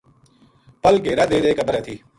پل گھیرا دے دے کے برے تھی۔